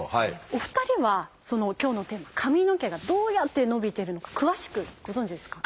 お二人は今日のテーマ「髪の毛」がどうやって伸びてるのか詳しくご存じですか？